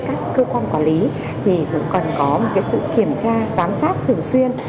các cơ quan quản lý thì cũng cần có một sự kiểm tra giám sát thường xuyên